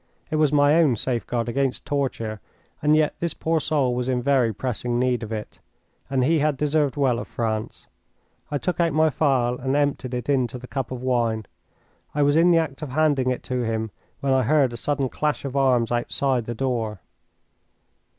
It was my own safeguard against torture, and yet this poor soul was in very pressing need of it, and he had deserved well of France. I took out my phial and emptied it into the cup of wine. I was in the act of handing it to him when I heard a sudden clash of arms outside the door.